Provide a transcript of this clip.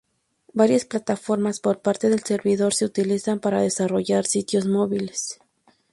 Varias plataformas por parte del servidor se utilizan para desarrollar sitios móviles.